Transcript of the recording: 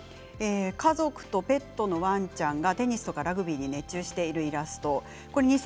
家族とペットのワンちゃんがテニスとかラグビーに熱中しているイラストが描かれています。